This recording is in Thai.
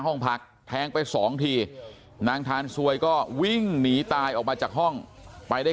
ห้องพักแทงไปสองทีนางทานซวยก็วิ่งหนีตายออกมาจากห้องไปได้